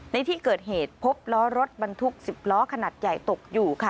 ในที่เกิดเหตุพบล้อรถบรรทุก๑๐ล้อขนาดใหญ่ตกอยู่ค่ะ